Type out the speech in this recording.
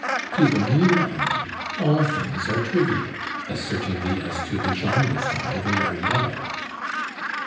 To the mean eye all things are trivial, as certainly as to the jaundiced they are yellow.